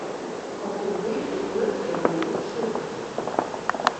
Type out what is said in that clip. Auf dem Weg berührt Renee Schilf.